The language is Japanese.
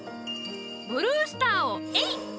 ブルースターをえいっ！